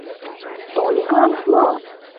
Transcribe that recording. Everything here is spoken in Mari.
Толиклан мо?